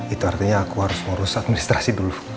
itu artinya aku harus ngurus administrasi dulu